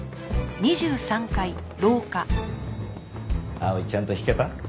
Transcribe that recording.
碧唯ちゃんと弾けた？